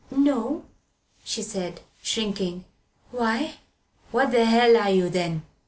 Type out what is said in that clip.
"No," she said, shrinking. "Why?" "What the hell are you, then?"